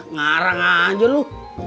ngarang aja lu